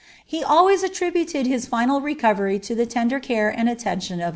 rs attributed his final recovery to the tender care and attention >ra.